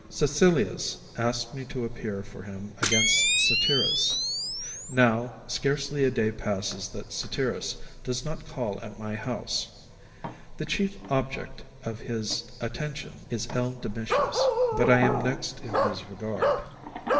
Caecilius asked me to appear for him against Satyrus. Now, scarcely a day passes that Satyrus does not call at my house. The chief object of his attentions is L. Domitius, but I am next in his regard.